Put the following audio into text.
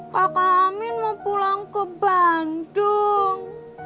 papa amin mau pulang ke bandung